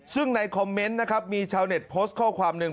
ซึ่งในคอมเมนต์นะครับมีชาวเน็ตโพสต์ข้อความหนึ่ง